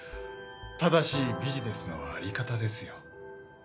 正しいビジネスのあり方ですよ。